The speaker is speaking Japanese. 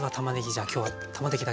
じゃあ今日はたまねぎだけで。